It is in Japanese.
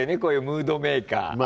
こういうムードメーカー。